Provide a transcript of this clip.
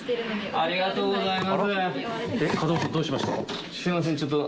ありがとうございます。